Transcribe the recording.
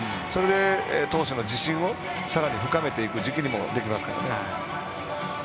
それで投手の自信を更に深めていく軸にもできますからね。